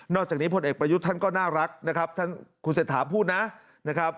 จากนี้พลเอกประยุทธ์ท่านก็น่ารักนะครับท่านคุณเศรษฐาพูดนะครับ